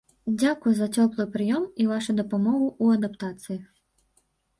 Дзякуй за цёплы прыём і вашу дапамогу ў адаптацыі.